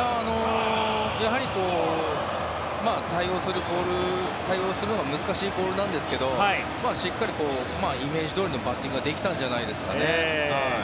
やはり、対応するのが難しいボールなんですけどしっかりイメージどおりのバッティングができたんじゃないですかね。